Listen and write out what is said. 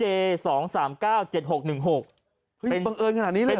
เป็นบังเอิญขนาดนี้เลยเหรอ